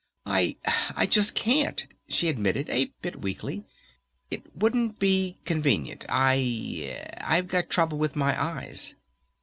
"I I just can't," she admitted a bit weakly. "It wouldn't be convenient. I I've got trouble with my eyes."